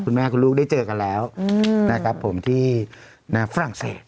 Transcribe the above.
คุณแม่คุณลูกได้เจอกันแล้วที่ฝรั่งเศส